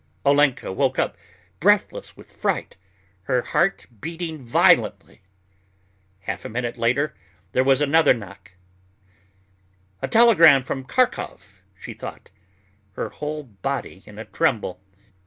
Olenka woke up breathless with fright, her heart beating violently. Half a minute later there was another knock. "A telegram from Kharkov," she thought, her whole body in a tremble.